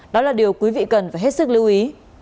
đó là điều quý vị cần phải hết sức lưu ý